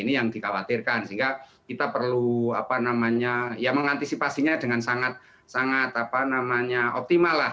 ini yang dikhawatirkan sehingga kita perlu mengantisipasinya dengan sangat sangat optimal lah